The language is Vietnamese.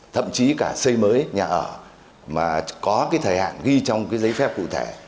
thậm chí cả xây mới nhà ở mà có thời hạn ghi trong giấy phép cụ thể